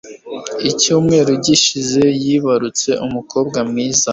Icyumweru gishize yibarutse umukobwa mwiza.